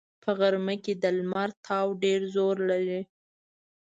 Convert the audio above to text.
په غرمه کې د لمر تاو ډېر زور لري